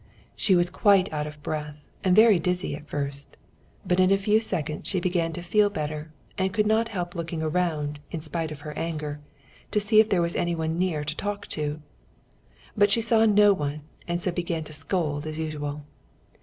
She was quite out of breath and very dizzy at first, but in a few seconds she began to feel better and could not help looking around, in spite of her anger, to see if there was anyone near to talk to. But she saw no one, and so began to scold as usual.